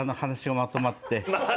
「まとまって」。